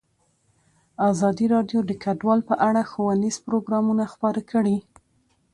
ازادي راډیو د کډوال په اړه ښوونیز پروګرامونه خپاره کړي.